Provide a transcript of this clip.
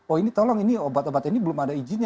oh ini tolong ini obat obat ini belum ada izinnya